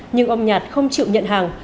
nhưng ông nhạt không chịu nhận hàng